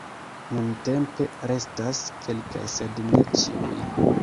Nuntempe restas kelkaj sed ne ĉiuj.